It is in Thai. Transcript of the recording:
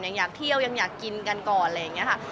อยากเที่ยวยังอยากกินกันก่อนอะไรอย่างนี้ค่ะ